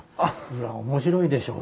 裏面白いでしょ？